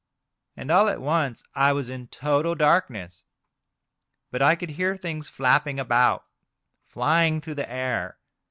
And all at once I was in total darkness, but I could hear things flapping about, flying through the air.